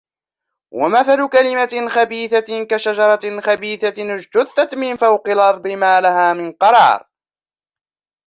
وَمَثَلُ كَلِمَةٍ خَبِيثَةٍ كَشَجَرَةٍ خَبِيثَةٍ اجْتُثَّتْ مِنْ فَوْقِ الْأَرْضِ مَا لَهَا مِنْ قَرَارٍ